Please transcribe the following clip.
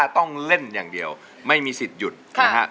ต้องเล่นอย่างเดียวไม่มีสิทธิ์หยุดนะฮะ